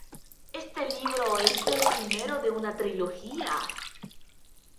Este libro es el primero de una trilogía.